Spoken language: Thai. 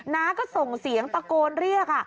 น้าก็ส่งเสียงตะโกนเรียก